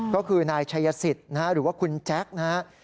ก็คือนายชายสิตหรือว่าคุณแจ๊กนะครับ